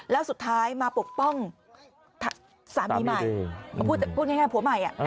แล้วสุดท้ายมาปกป้องสามีใหม่พูดง่ายผัวใหม่